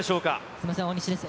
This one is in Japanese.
すみません、大西です。